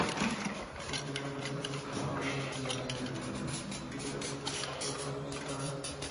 Posteriormente fue privado de la ciudadanía alemana y su propiedad fue confiscada.